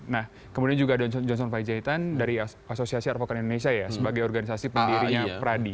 nah kemudian juga johnson fahijaitan dari asosiasi advokat indonesia ya sebagai organisasi pendirinya pradi